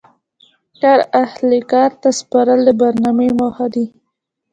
کار اهل کار ته سپارل د برنامې موخه دي.